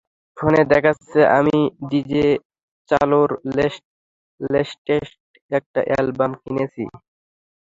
ফোনে দেখাচ্ছে, আমি ডিজে চ্যালোর লেটেস্ট একটা অ্যালবাম কিনেছি!